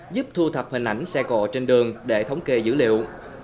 giúp thu thập hình ảnh xe cộ trên đường để thống kê dữ liệu